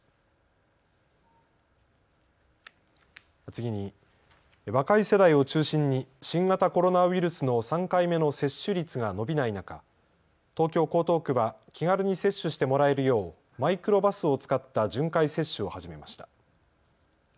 次に若い世代を中心に新型コロナウイルスの３回目の接種率が伸びない中東京江東区は気軽に接種してもらえるようマイクロバスを使った巡回接種を始めました。